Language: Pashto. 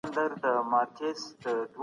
په شعر كي ښكلاګاني دي